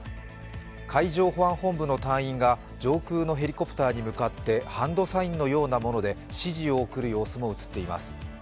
海上保安本部の隊員が上空のヘリコプターに向かってハンドサインのようなもので指示を送る様子も映っています。